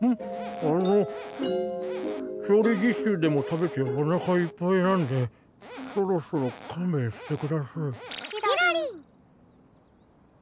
あの調理実習でも食べておなかいっぱいなんでそろそろ勘弁してください。